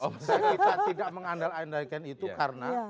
kita tidak mengandalkan itu karena